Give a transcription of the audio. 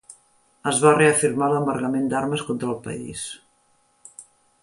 Es va reafirmar l'embargament d'armes contra el país.